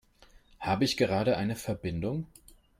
Habe ich gerade eine Verbindung?